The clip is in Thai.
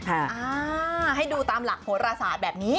อ่าให้ดูตามหลักโหรศาสตร์แบบนี้